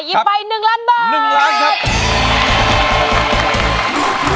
หยิบไป๑ล้านบาท